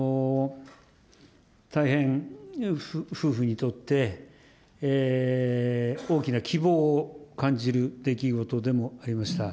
大変夫婦にとって大きな希望を感じる出来事でもありました。